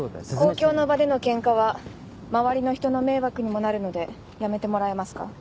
公共の場でのケンカは周りの人の迷惑にもなるのでやめてもらえますか。